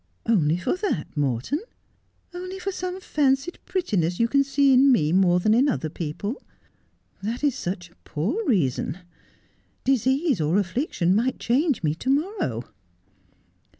' Only for that, Morton ! only for some fancied prettiness you can see in me more than in other people ! That is such a poor reason. Disease or affliction might change me to morrow.'